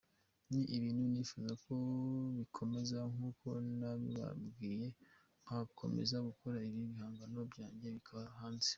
Ni ibintu nifuza ko bikomeza nk’uko nabibabwiye nkakomeza gukora ibihangano byanjye bikajya hanze.